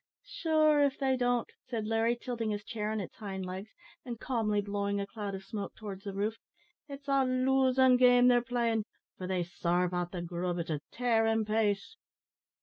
"Sure, if they don't," said Larry, tilting his chair on its hind legs, and calmly blowing a cloud of smoke towards the roof, "it's a losin' game they're playin', for they sarve out the grub at a tearin' pace."